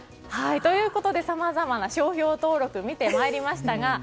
ということで、さまざまな商標登録を見てまいりましたが